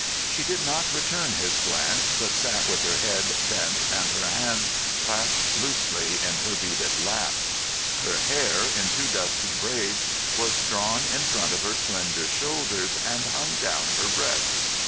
She did not return his glance, but sat with her head bent and her hands clasped loosely in her beaded lap. Her hair, in two dusky braids, was drawn in front of her slender shoulders, and hung down her breast.